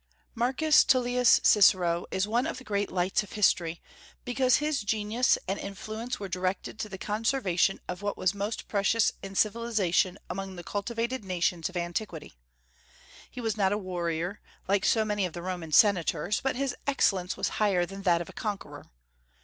Marcus Tullius Cicero is one of the great lights of history, because his genius and influence were directed to the conservation of what was most precious in civilization among the cultivated nations of antiquity. He was not a warrior, like so many of the Roman Senators, but his excellence was higher than that of a conqueror.